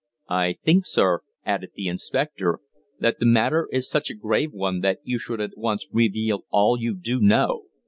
"I think, sir," added the inspector, "that the matter is such a grave one that you should at once reveal all you do know.